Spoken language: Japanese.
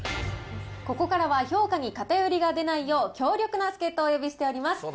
ここからは評価に偏りが出ないよう、強力な助っ人をお呼びしております。